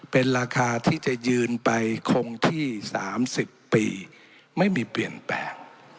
เป็นราคาที่จะยืนไปคงที่๓๐ปีไม่มีเปลี่ยนแปลง